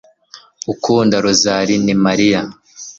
ukunda rozari ni mariya